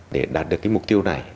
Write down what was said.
để đạt được mục tiêu này